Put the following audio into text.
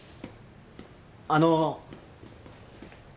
あの。